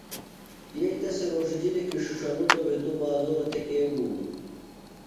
یئی تس تھےۡ رھوݜِجِلیۡ کی ݜِݜَلُٹوۡ بھےۡ توۡ بازورہ تھےۡ کے گُوم۔